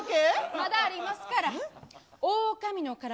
まだありますから。